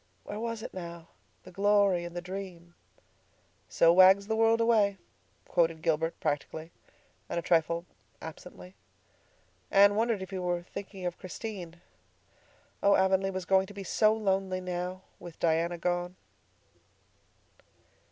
Where was it now—the glory and the dream? "'So wags the world away,'" quoted Gilbert practically, and a trifle absently. Anne wondered if he were thinking of Christine. Oh, Avonlea was going to be so lonely now—with Diana gone!